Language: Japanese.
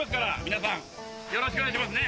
皆さんよろしくお願いしますね。